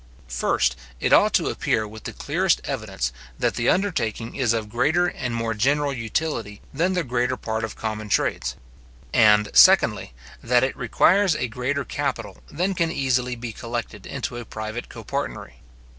First, it ought to appear with the clearest evidence, that the undertaking is of greater and more general utility than the greater part of common trades; and, secondly, that it requires a greater capital than can easily be collected into a private copartnery.